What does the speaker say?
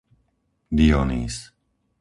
Dionýz